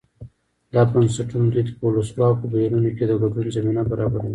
دا بنسټونه دوی ته په ولسواکو بهیرونو کې د ګډون زمینه برابروي.